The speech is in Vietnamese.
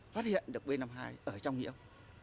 phát hiện được b năm mươi hai ở trong nhiễu